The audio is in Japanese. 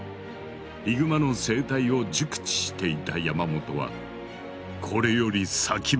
ヒグマの生態を熟知していた山本はこれより先回り。